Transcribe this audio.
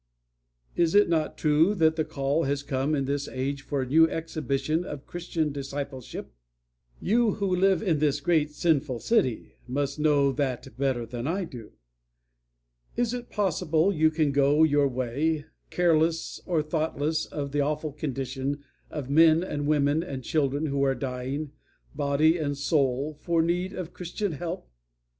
"Is it not true that the call has come in this age for a new exhibition of Christian discipleship? You who live in this great sinful city must know that better than I do. Is it possible you can go your ways careless or thoughtless of the awful condition of men and women and children who are dying, body and soul, for need of Christian help?